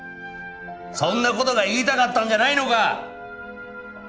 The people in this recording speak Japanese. そんなことが言いたかったんじゃないのか？